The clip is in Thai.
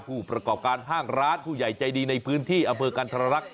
ผู้ประกอบการห้างร้านผู้ใหญ่ใจดีในพื้นที่อำเภอกันธรรักษ